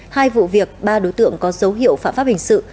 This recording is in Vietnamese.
hai vụ việc ba đối tượng có dấu hiệu phạm pháp hình sự